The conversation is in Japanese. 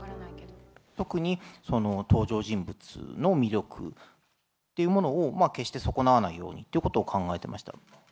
特にその登場人物の魅力というものを決して損なわないようにということを考えていました。